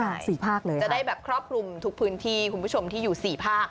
จะได้แบบครอบคลุมทุกพื้นที่คุณผู้ชมที่อยู่๔ภาค